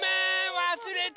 わすれてた。